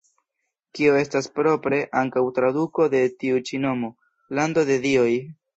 Kio estas propre ankaŭ traduko de tiu ĉi nomo: "Lando de dioj".